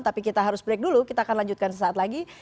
tapi kita harus break dulu kita akan lanjutkan sesaat lagi